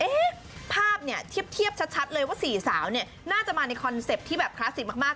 ภาพเนี่ยเทียบชัดเลยว่าสี่สาวเนี่ยน่าจะมาในคอนเซ็ปต์ที่แบบคลาสสิกมาก